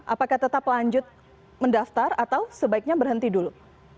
apakah tetap lanjut mendaftar atau sebaiknya berhenti dulu